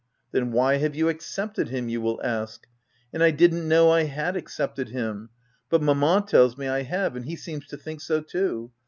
* Then why have you accepted him/ you will ask ; and I didn't know I had accepted him ; but mamma tells me I have, and he seems to think so too.